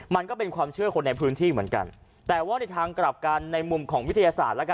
มันก็เป็นความเชื่อคนในพื้นที่เหมือนกันแต่ว่าในทางกลับกันในมุมของวิทยาศาสตร์แล้วกัน